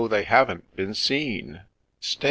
they haven't been seen 1 Stay